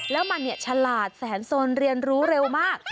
แล้วมันฉลาดแสนสนเรียนรู้เร็วมาก